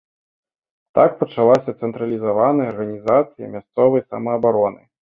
Так пачалася цэнтралізаваная арганізацыя мясцовай самаабароны.